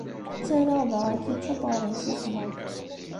Ttarraɣ daɣ akičup ɣer yimsismeḍ.